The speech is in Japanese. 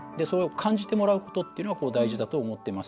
感じてもらうことが大事だと思っています。